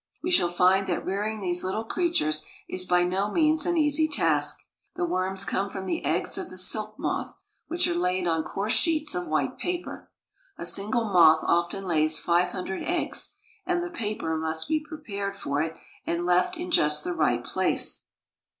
We shall find that rearing these little creatures is by no means an easy task. The worms come from the eggs of the silk moth, which are laid on coarse sheets of white paper. A single moth often lays five hundred eggs, and the paper must be prepared for it and left in just the right place.